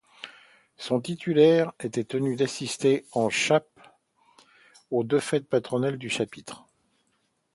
Son titulaire était tenu d'assister en chape aux deux fêtes patronales du chapitre.